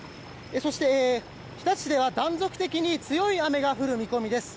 日立市では断続的に強い雨が降る見込みです。